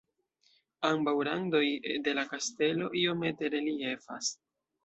Ambaŭ randoj de la kastelo iomete reliefas.